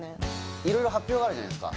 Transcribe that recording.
色々発表があるじゃないですか